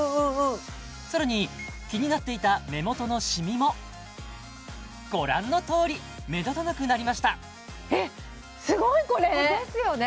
さらに気になっていた目元のシミもご覧のとおり目立たなくなりましたえっすごいこれ！ですよね